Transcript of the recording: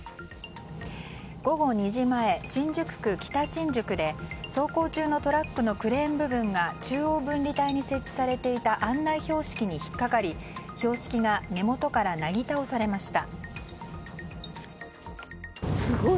午後２時前新宿区北新宿で走行中のトラックのクレーン部分が中央分離帯に設置されていた案内標識に引っ掛かり標識が根元からなぎ倒されました。